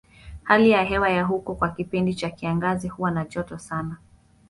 Hali ya hewa ya huko kwa kipindi cha kiangazi huwa na joto sana.